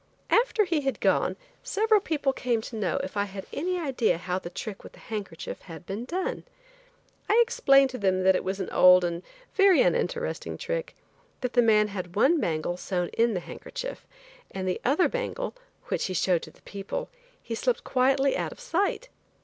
After he had gone, several people came to know if I had any idea how the trick with the handkerchief had been done. I explained to them that it was an old and very uninteresting trick; that the man had one bangle sewn in the handkerchief, and the other bangle, which he showed to the people, he slipped quietly out of sight.